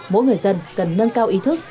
mỗi người dân cần nâng cao ý thức